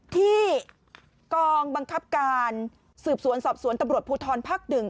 ที่กองบังคับการสืบสวนสอบสวนตำรวจภูทรภักดิ์๑